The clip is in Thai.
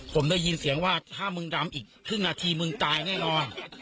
ผมได้ยินเสียงว่าถ้ามึงดำอีกครึ่งนาทีมึงตายแน่นอน